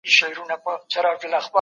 تاسو د شیدو په څښلو مصروفه یاست.